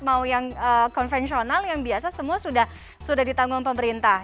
mau yang konvensional yang biasa semua sudah ditanggung pemerintah